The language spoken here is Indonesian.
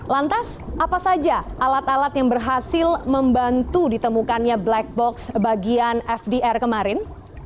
lantas apa saja alat alat yang berhasil membantu ditemukannya black box bagian fdr kemarin